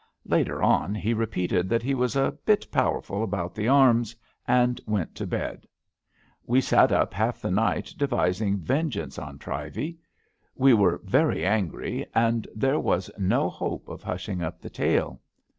Later on he repeated that he was a *^ bit powerful about the arms," and went to bed. We sat up half the night devis ing vengeance on Trivey. We were very angry, and there was no hope of hushing up the tale.